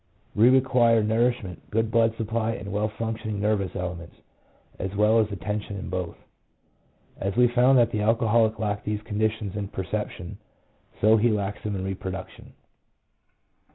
We require nourishment, good blood supply, and well functioning nervous elements, as well as attention in both. As we found that the alcoholic lacked these conditions in perception, so he lacks them in reproduction.